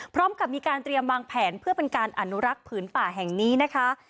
พร้อมกับมีการเตรียมวางแผนเพื่อเป็นการอนุรักษ์ผืนป่าแห่งนี้นะคะ